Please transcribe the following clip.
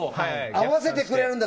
合わせてくれるんだ。